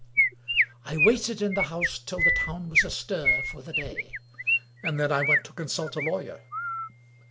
XIII I WAITED in the house till the town was astir for the day, and then I went to consult a lawyer.